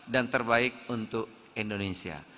dan terbaik untuk indonesia